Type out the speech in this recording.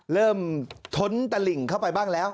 เริ่มท้นตลิ่งเข้าไปบ้างแล้ว